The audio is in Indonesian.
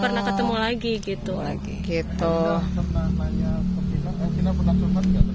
mbak linda pernah bertanya ke vina vina pernah bertanya ke vina vina pernah bertanya ke vina